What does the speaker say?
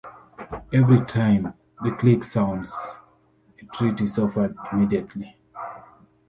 Every time the click sounds, a treat is offered immediately.